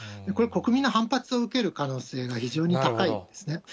これ、国民の反発を受ける可能性が非常に高いんですね。